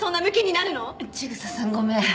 千草さんごめん。